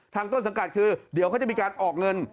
ต้นสังกัดคือเดี๋ยวเขาจะมีการออกเงิน